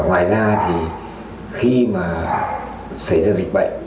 ngoài ra thì khi mà xảy ra dịch bệnh